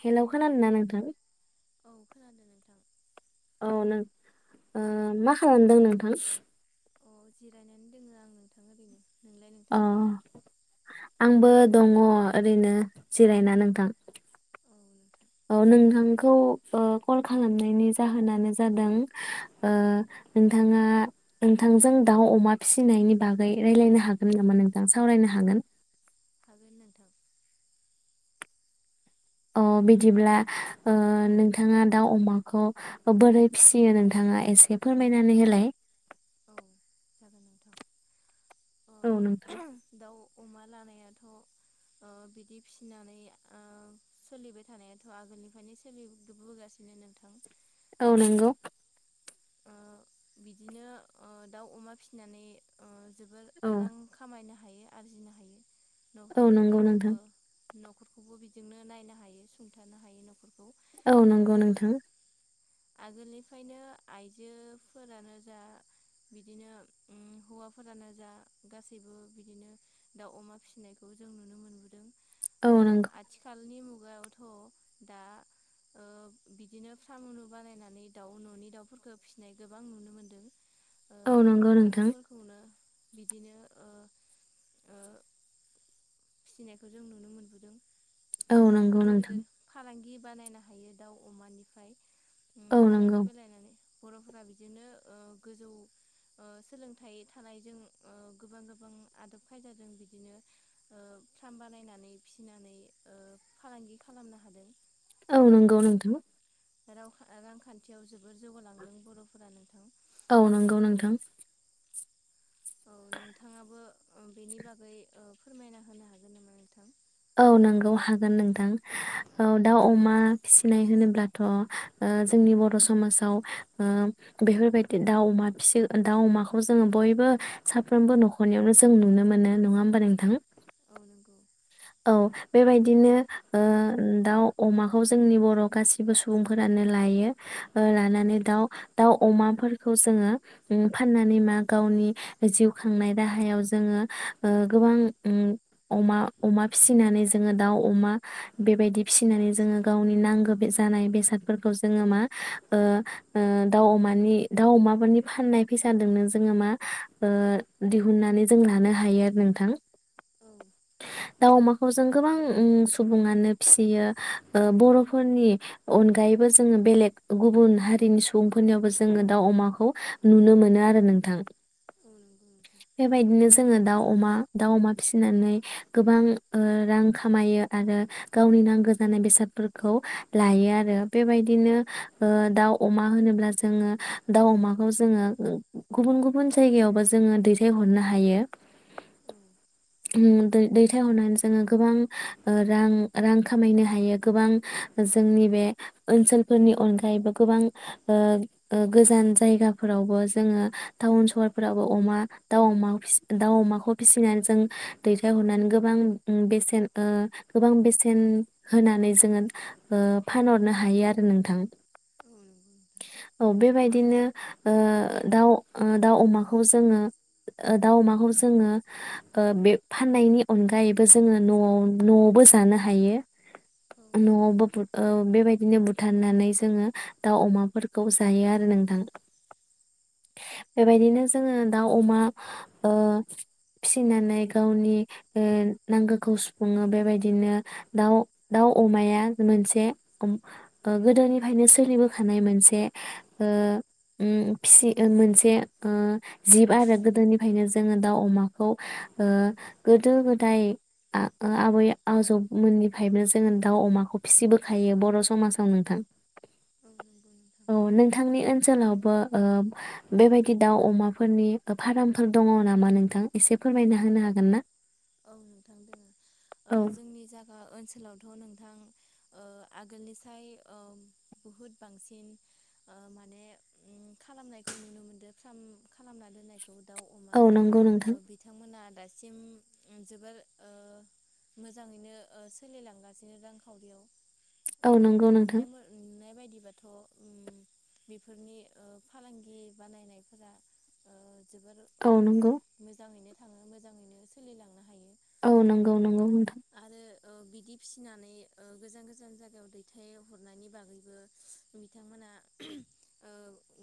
Hello खोनादोंना नोंथां? औ खोनादों नोंथां। औ नों ओ मा खालामदों नोंथां? अ जिरायनानै दङो आं नोंथाङा ओरैनो। नोंलाय अ नोंथां? आंबो दङ ओरैनो जिरायना नोंथां। औ नोंथां औ नोंथांखौ ओ कल खालामनायनि जाहोनानो जादों ओ नोंथाङा नोंथांजों दाउ अमा फिसिनायनि बागै रायजलायनो हागोन नामा नोंथां सावरायनो हागोन? हागोन नोंथां। अ बिदिब्ला ओ नोंथाङा दाउ अमाखौ बोरै फिसियो नोंथाङा एसे फोरमायनानै होला। औ जागोन नोंथां। अ औ नोंथां दाउ अमा लानायाथ ओ बिदि फिनानै ओ सोलिबाय थानायाथ आगोलनिफ्रायनो सोलिबोगासिनो नोंथां। औ नंगौ। ओ बिदिनो ओ दाउ अमा फिसिनानै ओ जोबोर औ रां खामायनो हा हायो आरजिनो हायो औ नंगौ न'खरफोरखौ औबो नोंथां न'खरखौबो बिजोंनो नायनो हायो सुंथानो हायो न'खरखौ। औ नंगौ ओ नोंथां आगोलनिफ्रायनो आइजोफोरानो जा बिदिनो उम हौवाफोरानो जा गासैबो बिदिनो दाउ अमा फिसिनायखौ जों नुनो मोनबोदों औ ओ नंगौ आथिखालनि। खुगायावथ दा ओ बिदिनो फ्रामलु बानायनानै दाउ ननि दाउ। खौ फिसिनाय गोबां नुनो मोन्दों। ओ औ नंगौ नोंथां अमाफोरखौनो बिदिनो ओ ओ फिसिनायखौ जों नुनो मोनबोदों। औ बिदिनो नंगौ गोदोर नोंथां गोदोर फालांगि बानायनो हायो दाउ अमानिफ्राय उम औ नंगौ फालांगि फलायनानै। बरफोरा बिदिनो ओ गोजौ ओ सोलोंथाइ थानायजों ओ गोबां गोबां आदब खायदाजों बिदिनो ओ फार्म बानायनानै फिसिनानै फालांगि ओ खालामनो हादों। औ नंगौ नोंथां। राव रांखान्थियाव जोबोर जौगालांदों बरफोरा नोंथां औ नंगौ नोंथां। औ नोंथाङाबो ओ बेनि बागै ओ फोरमायना होनो हागोन नामा नोंथां। औ नंगौ हागोन नोंथां औ दाउ अमा फिनाय होनोब्लाथ' ओ जोंनि बर' समाजाव ओ बेफोरबायदि दाउ अमा फिसि दाउ अमाखौ जोङो बयबो साफ्रोमबो नखरनियावनो जों नुनो मोनो नङा होमबा नोंथां। औ नंगौ औ बेबायदिनो ओ दाउ अमाखौ जोंनि बर' गासिबो सुबुंफोरानो लायो ओ औ लानानै दाउ दाउ अमाफोरखौ जोङो उम फाननानै मा गावनि जिउ खांनाय राहायाव जोङो ओ गोबां ओ अमा अमा फिसिनानै जोङो दाउ अमा बेबायदि फिसिनानै जोङो गावनि नांगौ जानाय बेसादफोरखौ जोङो मा ओ ओ दाउ अमानि दाउ अमाफोरनि फाननाय फैसाजोंनो जोङो मा ओ दिहुननानै जों लानो हायो आरो नोंथां। औ दाउ अमाखौ जों गोबां सुबुङानो फियो ओ बर'फोरनि अनगायैबो जोङो बेलेग गुबुन हारिनि सुबुंफोरनियावबो जोङो दाउ अमाखौ नुनो मोनो आरो नोंथां। औ नंगौ नोंथां बेबायदिनो जोङो दाउ। अमा दाउ अमा फिनानै गोबां ओ रां खामायो आरो गावनि नांगौ जानाय बेसादफोरखौ लायो आरो बेबायदिनो ओ दाउ अमा होनोब्ला जोङो दाउ अमाखौ जोङो गुबुन गुबुन जायगायावबो जोङो दैथायहरनो हायो। औ [unintelligible] दै दैथायहरनानै जोङो गोबां ओ रां रां खामायनो हायो गोबां जोंनि बे ओनसोलफोरनि अनगायैबो गोबां ओ ओ गोजान जायगाफोरावबो जोङो टाउन सहरफोरावबो अमा दाउ अमा दाउ अमाखौ फिसिनानै जों दै हरनानै गोबां बेसेन ओ गोबां बेसेन होनानै जोङो ओ फानहरनो हायो आरो नोंथां औ नंगौ नोंथां औ बेबायदिनो ओ दाउ ओ दाउ अमाखौ जोङो ओ दाउ अमाखौ जोङो ओ बे फाननायनि अनगायैबो जोङो नआव नआवबो जानो हायो। औ नोंथां। नआवबो ओ बेबा बिदिनो बुथारनानै जोङो दाउ अमाफोरखौ जायो आरो नोंथां बेबायदिनो जोङो दाउ अमा ओ फिसिनानै गावनि ओ नांगौखौ सुफुङो बेबायदिनो दाउ दाउ अमाया मोनसे ओ गोदोनिफ्रायनो सोलिबोखानाय मोनसे ओ उम फिसि ओ मोनसे ओ जिब आरो गोदोनिफ्रायनो जोङो दाउ अमाखौ। ओ गोदो गोदाय आबै आजौमोननिफ्रायबो जोङो दाउ अमाखौ फिसिबोखायो बर समाजाव नोंथां औ नंगौ नोंथां औ नोंथांनि ओनसोलावबो ओ बेबायदि दाउ अमाफोरनि फारमफोर दङ नामा नोंथां एसे फोरमायना होनो हागोन ना? औ नोंथां दङ ओ औ जोंनि जा ओ ओनसोलावथ' नोंथां ओ आगोलनिसाय ओ बहुद बांसिन ओ माने खालामनायखौ नुनो मोनदों फार्म खालामना दोन्नायखौ। खौ दाउ अमा औ नंगौ नोंथां बिथांमोना दासिम। जोबोर ओ मोजाङैनो ओ सोलिलांगासिनो रांखावरियाव। औ अ नंगौ नोंथां नुनाय नुनाय बायदि दिबाथ उम बेफोरनि ओ फालांगि बानायनायफोरा ओ। जोबोर औ नंगौ मोजाङैनो। थाङो मोजाङैनो। [inaudible] औ नंगौ नंगौ नोंथां। आरो ओ बिदि फिसिनानै ओ गोजान गोजान जायगायाव दैथाय हरनायनि बागैबो बिथांमोना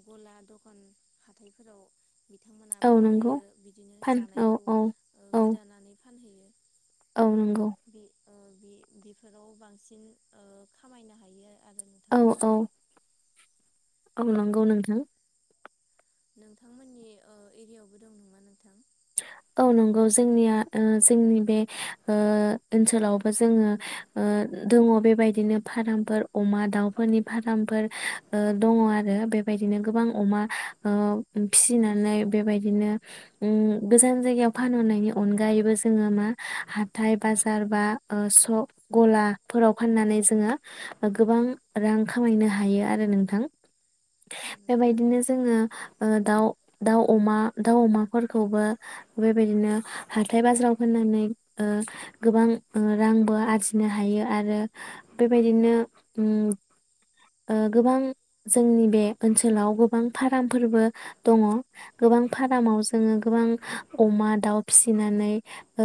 गला दखान हाथायफोराव बिथांमोना औ नंगौ फानहैयो बिदिनो फान औ जानायखौ औ ओ औ गोदानानै फानहैयो औ नोंगौ। बे ओ बि-बिफोराव बांसिन ओ खामायनो हायो आरो औ नोंथां। औ औ नंगौ नोंथां नोंथांमोननि ओ एरियायावबो दं नामा नोंथां? औ नंगौ जोंनिया ओ जोंनि बे ओनसोलावबो जोङो दङ बेबायदिनो फार्मफोर अमा दाउफोरनि फार्मफोर दङ आरो बेबायदिनो गोबां अमा ओ फिसिनानै बेबायदिनो उम गोजान जायगायाव फानहरनायनि अनगायैबो जोङो मा हाथाय बाजार बा ओ सक गलाफोराव फाननानै जोङो गोबां रां खामायनो हायो आरो नोंथां। औ नोंथां बेबायदिनो जोङो। ओ दाउ दाउ अमा दाउ अमाफोरखौबो बेबायदिनो हाथाय बाजाराव फानानै ओ गोबां रांबो आरजिनो हायो आरो बेबायदिनो ओ गोबां जोंनि बे ओनसोलाव गोबां फारामफोरबो दङ गोबां फारामाव जोङो गोबां अमा दाउ फिसिनानै ओ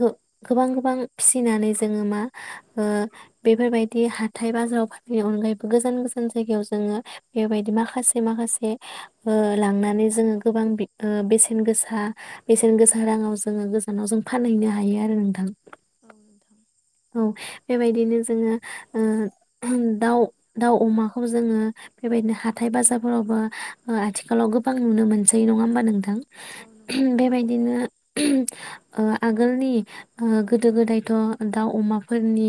गो-गोबां गोबां फिसिनानै जोङो मा ओ बेफोर बायदि हाथाय बाजाराव फानायनि अनगायैबो गोजान गोजान जायगायाव जोङो बेबायदि माखासे माखासे ओ लांनानै जोङो गोबां बेसे बेसेन गोसा बेसेन गोसा राङाव जोङो गोजानाव जों फानहैनो हायो आरो नोंथां औ नोंथां औ बेबायदिनो जोङो दाउ दाउ अमाखौ जोङो बेबायदिनो हाथाय बाजारफोरावबो आथिखालाव गोबां नुनो मोनसै नङा होमबा नोंथां। औ नोंथां बेबायदिनो ओ आगोलनि गोदो गोदायथ दाउ अमाफोरनि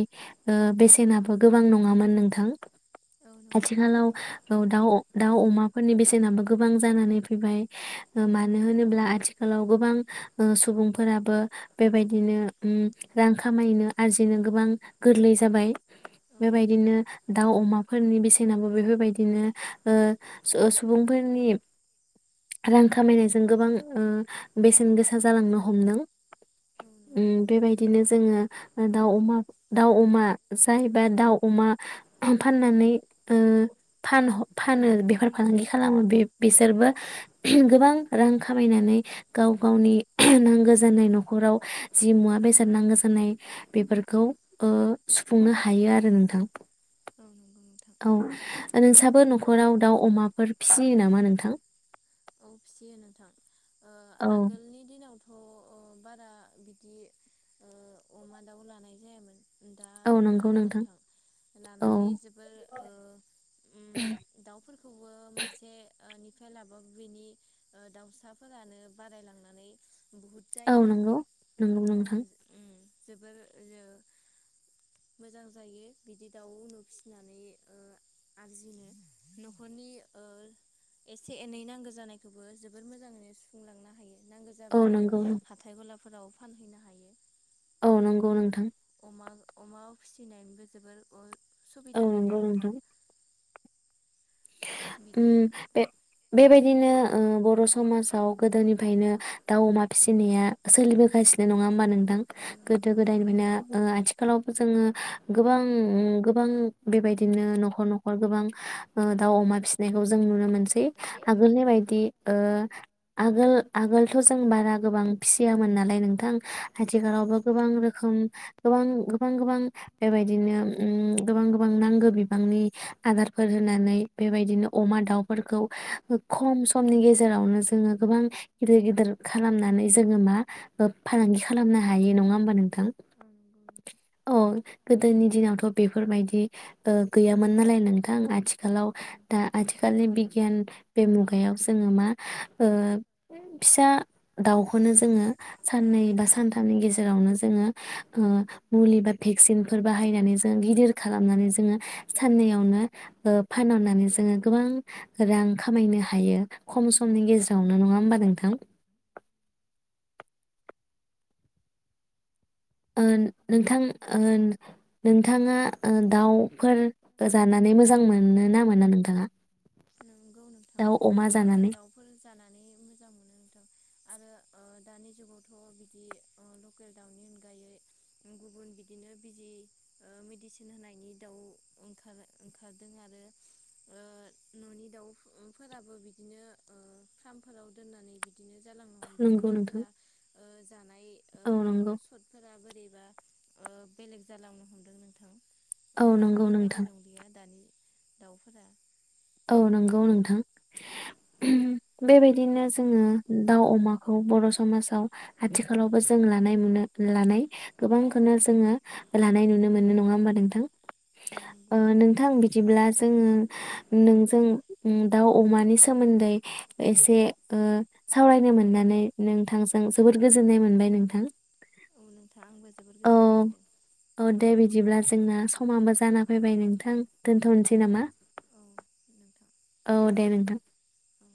ओ बेसेनाबो गोबां नङामोन नोंथां। औ नंगौ नोंथां औ नंगौ आथिखालाव। औ दाउ दाउ अमाफोरनि बेसेनाबो गोबां जानानै फैबाय मानो औ होनोब्ला आथिखालाव गोबां सुबुंफोराबो बेबायदिनो ओम रां खामायनो आरजिनो गोबां गोरलै जाबाय औ नंगौ बेबायदिनो दाउ अमाफोरनि बेसेनाबो बेफोर बायदिनो सुबुंफोरनि रां खामायनाय जों गोबां ओ बेसेन गोसा जालांनो हमदों। औ नोंथां उम बेबायदिनो जोङो। दाउ अमा दाउ अमा जायबा दाउ अमा फाननानै ओ फान फानो बेफार फालांगि खालामो बे बिसोरबो गोबां रां खामायनानै गाव गावनि नांगौ जानाय नखराव जि मुवा बेसाद नांगौ जानाय बेफोरखौ ओ सुफुंनो हायो आरो नोंथां। औ नंगौ। नोंथां औ नोंस्राबो नखराव दाउ अमाफोर फिसियो नामा नोंथां? औ फिसियो नोंथां ओ औ आगोलनि दिनावथ अ अ बारा बिदि ओ अमा दाउ लानाय जायामोन। दा औ नंगौ लायो नोंथां औ लानानै जोबोर ओ उम दाउफोरखौबो मासे निफ्राय लाबो बिनि ओ दाउसाफोरानो बारायलांनानै। बुहुद औ जायो नंगौ नंगौ उम नोंथां। जोबोर ओ मोजां जायो बिदि दाउ उनु फिसिनानै ओ आरजिनो नखरनि ओ एसे एनै नां गो जानायखौबो जोबोर मोजाङैनो सुफुंलांनो हायो। नांगौ औ जाबानो नंगौ हाथाय गला फोराव फानहैनो हायो। औ नंगौ नोंथां। अमा अमा फिसिनायबो जोबोर ओ औ सुबिदा नंगौ जादों नोंथां, बिदिनो उम बे बेबायदि बिदिनो ओ बर समाजाव गोदोनिफ्रायनो दाउ अमा फिसिनाया सोलिबोगासिनो नङा होमबा नों थां औ नंगौ गोदो नोंथां गोदायनिफ्रायनो ओ आथि आथिखालावबो जोङो गोबां ओ गोबां बेबायदिनो नखर नखर गोबां ओ दाउ अमा फिसि नायखौ जों ननो मो मोनसै आगोलनि औ बायदि ओ आगोल आगोलथ जों बारा गोबां फिसियामोन नालाय नों थां औ आथिखालावबो नंगौ गोबां रोखोम गोबां गोबां गोबां बेबायदिनो उम गोबां गोबां नांगौ बिबांनि आदारफोर होनानै बेबायदिनो अमा दाउफोरखौ खम समनि गेजेरावनो जोङो गोबां गिदिर गिदिर खालामनानै जोङो मा ओ फालांगि खालामनो हायो नङा होमबा नोंथां। औ नंगौ नोंथां औ गोदोनि दिनावथ बेफोरबायदि ओ गैयामोन नालाय नोंथां आथिखालाव औ दा आथिखालनि बिगियान बे मुगायाव जोङो मा ओ फिसा दाउखौनो जोङो साननै बा सानथामनि गेजेरावनो जोङो ओ- मुलि बा भेक्सिनफोर बाहायनानै जोङो गिदिर खालामनानै जोङो साननैयावनो ओ फानहरनानै जोङो गोबां रां खामायनो हायो खम समनि गेजेरावनो नङा होमबा नोंथां। ओ नोंथां ओ नोंथाङा दाउफोर जानानै मोजां मोनो ना मोना नोंथाङा? नंगौ नोंथां दाउ अमा ओ जानानै? दाउफोर जानानै मोजां मोनो नोंथां। आरो ओ दानि जुगावथ बिदि ओ लकेल दाउनि अनगायै गुबुन बिदिनो बिजि ओ मेडिसिन होनायनि दाउ ओंखार, ओंखारदों आरो ओ- ननि दाउफोराबो बिदिनो ओ फार्मफोराव दोननानै बिदिनो जालांनो हमदों नंगौ नोंथां। खटफोरा ओ जानाय औ नंगौ ब्ला ओ बेलेग जालांनो हमदों नोंथां औ नंगौ आगोलनि बायदि नोंथां नंलिया दानि दाउफोरा। औ नंगौ नोंथां बेबायदिनो जोङो दाउ अमाखौ बर' समाजाव आथिखालावबो जों लानाय नुनो लानाय गोबांखौनो जोङो लानाय नुनो मोनो नङा होमबा नोंथां। औ नंगौ ओ नोंथां बिदिब्ला जोङो। [inaudible] नोंजों दाउ अमानि सोमोन्दै एसे ओ सावरायनो मोननानै नोंथांजों जोबोद गोजोननाय मोनबाय नोंथां। औ नोंथां आंबो जोबोर औ गोजोननाय मोनदों। औ दे बिदिब्ला जोंना समामो जाना फैबाय नोंथां दोनथ'नोसै नामा? औ नोंथां औ दे नोंथां। औ